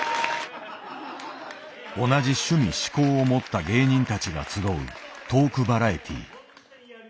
同じ趣味嗜好を持った芸人たちが集うトークバラエティー。